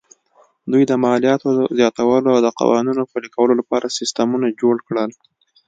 دوی د مالیاتو زیاتولو او د قوانینو پلي کولو لپاره سیستمونه جوړ کړل